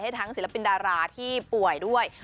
ทั้งศิลปินดาราที่ป่วยด้วย